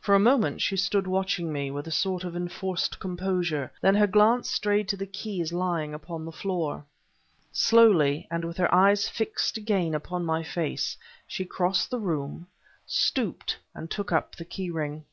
For a moment she stood watching me, with a sort of enforced composure; then her glance strayed to the keys lying upon the floor. Slowly, and with her eyes fixed again upon my face, she crossed the room, stooped, and took up the key ring.